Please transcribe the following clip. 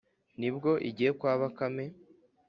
Ni bwo igiye kwa Bakame